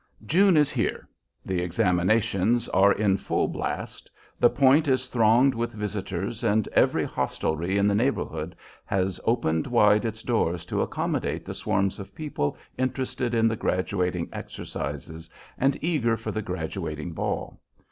June is here. The examinations are in full blast. The Point is thronged with visitors and every hostelrie in the neighborhood has opened wide its doors to accommodate the swarms of people interested in the graduating exercises and eager for the graduating ball.